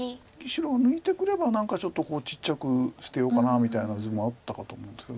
白抜いてくれば何かちょっとちっちゃく捨てようかなみたいな図もあったかと思うんですけど